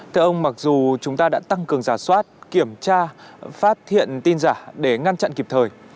thưa ông mặc dù chúng ta đã tăng cường giả soát kiểm tra phát hiện tin giả để ngăn chặn kịp thời